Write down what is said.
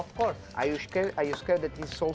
apakah kamu takut bahwa ini sedikit salju